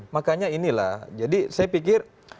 makanya inilah jadi saya pikir